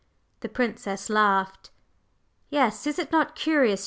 The Princess laughed. "Yes, is it not curious?"